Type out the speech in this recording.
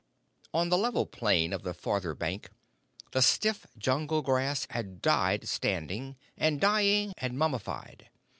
On the level plain of the further bank the stiff jungle grass had died standing, and, dying, had mummied.